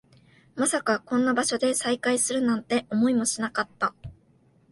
まさかこんな場所で再会するなんて、思いもしなかった